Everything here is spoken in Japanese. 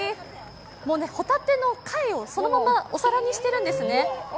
もうね、帆立ての貝をそのままお皿にしてるんですね。